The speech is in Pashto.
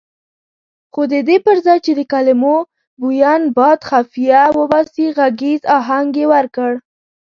خو ددې پرځای چې د کلمو بوین باد خفیه وباسي غږیز اهنګ یې ورکړ.